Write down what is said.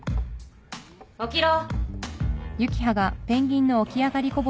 起きろ！